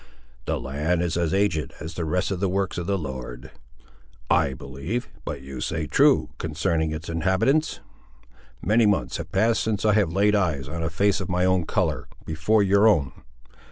"The land is as aged as the rest of the works of the Lord, I believe; but you say true, concerning its inhabitants. Many months have passed since I have laid eyes on a face of my own colour, before your own.